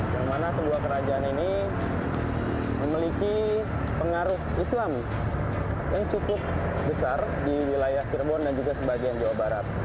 yang mana sebuah kerajaan ini memiliki pengaruh islam yang cukup besar di wilayah cirebon dan juga sebagian jawa barat